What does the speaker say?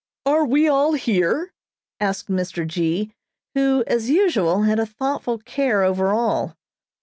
"Are we all here?" asked Mr. G., who, as usual had a thoughtful care over all.